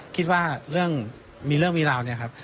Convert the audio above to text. คิดว่าเรื่องมีเรื่องมีราวเนี่ยครับ